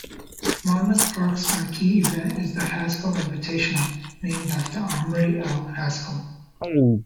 Monmouth Park's marquee event is the Haskell Invitational, named after Amory L. Haskell.